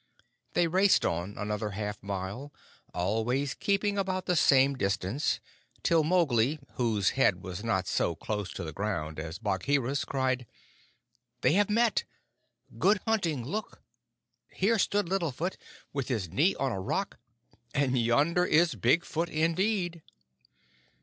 They raced on another half mile, always keeping about the same distance, till Mowgli, whose head was not so close to the ground as Bagheera's, cried: "They have met. Good hunting look! Here stood Little Foot, with his knee on a rock and yonder is Big Foot indeed!"